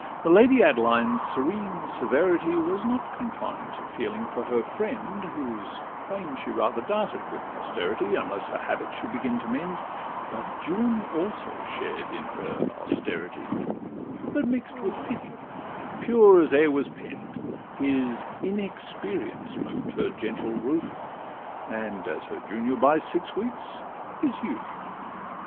The Lady Adeline's serene severity Was not confined to feeling for her friend, Whose fame she rather doubted with posterity, Unless her habits should begin to mend: But Juan also shared in her austerity, But mix'd with pity, pure as e'er was penn'd: His inexperience moved her gentle ruth, And (as her junior by six weeks) his youth.